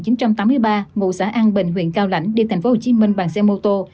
ngụ xã an bình huyện cao lãnh đi tp hcm bằng xe mô tô